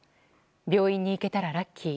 病院に行けたらラッキー。